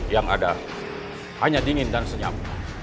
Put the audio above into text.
yang ada hanya dingin dan senyap